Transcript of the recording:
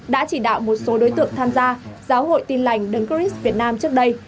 đã chỉ đạo một số đối tượng tham gia giáo hội tin lành đấng cris việt nam trước đây